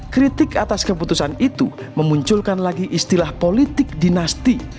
kritik atas keputusan itu memunculkan lagi istilah politik dinasti